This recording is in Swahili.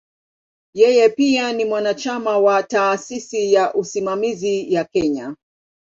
Yeye pia ni mwanachama wa "Taasisi ya Usimamizi ya Kenya".